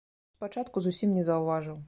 Спачатку зусім не заўважыў.